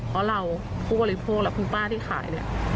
เพราะเราผู้บริโภคและคุณป้าที่ขายเนี่ย